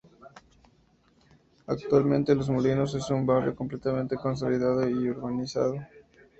Actualmente los Molinos es un barrio completamente consolidado y urbanizado.